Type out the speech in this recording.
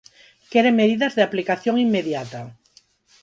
Queren medidas de aplicación inmediata.